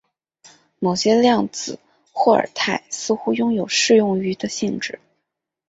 某些量子霍尔态似乎拥有适用于的性质。